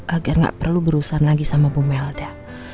agar gak perlu berurusan lagi sama bu melda